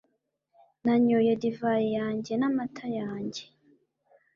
nanyoye divayi yanjye n'amata yanjye